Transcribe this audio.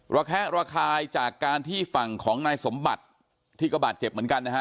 ระแคะระคายจากการที่ฝั่งของนายสมบัติที่ก็บาดเจ็บเหมือนกันนะฮะ